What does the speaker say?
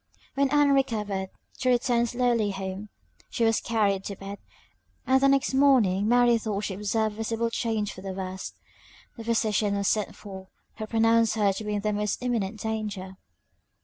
When Ann recovered, they returned slowly home; she was carried to bed, and the next morning Mary thought she observed a visible change for the worse. The physician was sent for, who pronounced her to be in the most imminent danger.